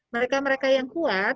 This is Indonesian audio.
mereka mereka yang kuat